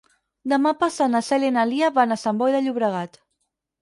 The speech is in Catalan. Demà passat na Cèlia i na Lia van a Sant Boi de Llobregat.